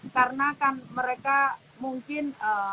karena kan mereka mungkin